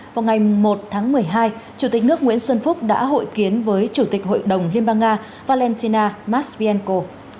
vào ngày một tháng một mươi hai chủ tịch nước nguyễn xuân phúc đã hội kiến với chủ tịch hội đồng liên bang nga valentina masbienko